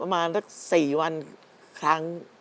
ประมาณสัก๔วันครั้ง